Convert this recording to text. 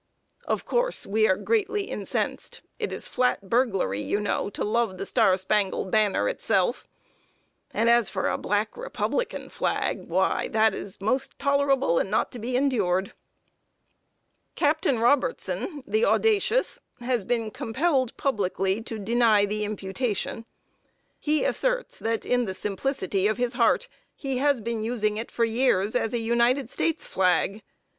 Of course, we are greatly incensed. It is flat burglary, you know, to love the Star Spangled Banner itself; and as for a Black Republican flag why, that is most tolerable and not to be endured. Captain Robertson, the "audacious," has been compelled, publicly, to deny the imputation. He asserts that, in the simplicity of his heart, he has been using it for years as a United States flag.